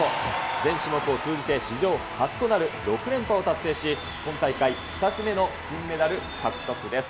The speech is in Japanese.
全種目を通じて史上初となる６連覇を達成し、今大会２つ目の金メダル獲得です。